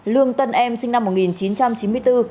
lương tân em sinh năm một nghìn chín trăm chín mươi bốn